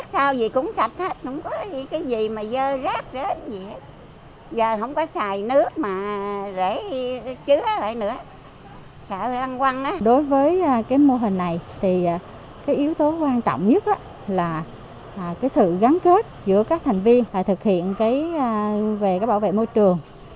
cái yếu tố quan trọng nhất là sự gắn kết giữa các thành viên thực hiện về bảo vệ môi trường